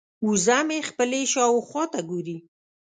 وزه مې خپلې شاوخوا ته ګوري.